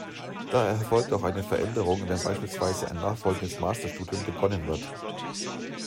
Daher erfolgt auch eine Veränderung, wenn beispielsweise ein nachfolgendes Masterstudium begonnen wird.